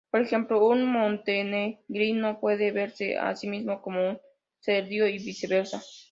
Por ejemplo, un "montenegrino" puede verse a sí mismo como un serbio y viceversa.